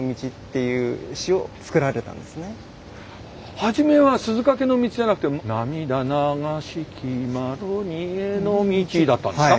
初めは「鈴懸の径」じゃなくて「涙流しきマロニエの径」だったんですか？